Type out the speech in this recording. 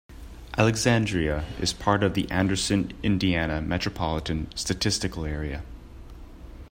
Alexandria is part of the Anderson, Indiana Metropolitan Statistical Area.